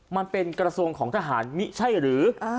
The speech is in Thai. มันเป็นกระทรวงของทหารมิใช่หรือ